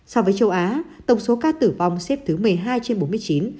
so với châu á tổng số ca tử vong xếp thứ một mươi hai trên bốn mươi chín